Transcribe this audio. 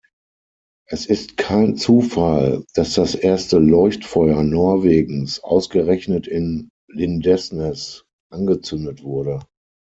Es ist kein Zufall, dass das erste Leuchtfeuer Norwegens ausgerechnet in Lindesnes angezündet wurde.